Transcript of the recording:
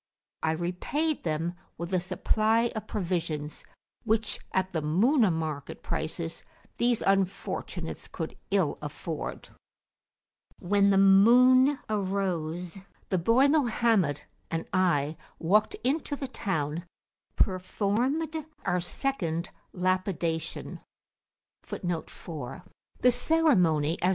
I repaid them with a supply of provisions, [p.222] which, at the Muna market prices, these unfortunates could ill afford. When the moon arose the boy Mohammed and I walked out into the town, performed our second lapidation,[FN#4] and visited the coffee houses.